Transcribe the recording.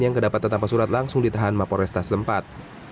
yang kedapatan tanpa surat langsung ditahan mapo restas lempat